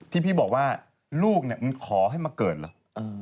ที่พี่บอกว่าลูกเนี่ยมันขอให้มาเกิดเหรอ